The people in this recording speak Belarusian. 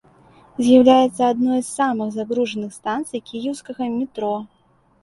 З'яўляецца адной з самых загружаных станцыяй кіеўскага метро.